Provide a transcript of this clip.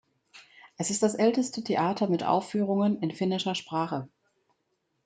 Es ist das älteste Theater mit Aufführungen in finnischer Sprache.